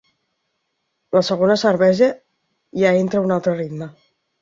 La segona cervesa ja entra a un altre ritme.